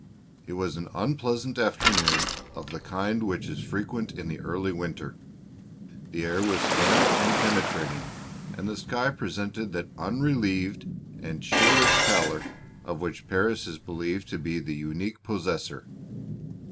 It was an unpleasant afternoon of the kind which is frequent in the early winter: the air was damp and penetrating, and the sky presented that unrelieved and cheerless pallor of which Paris is believed to be the unique possessor.